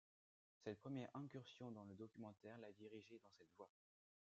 Cette première incursion dans le documentaire l'a dirigé dans cette voie.